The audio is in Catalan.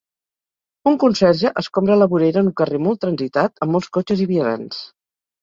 Un conserge escombra la vorera en un carrer molt transitat amb molts cotxes i vianants.